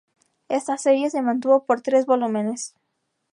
Esta serie se mantuvo por tres volúmenes.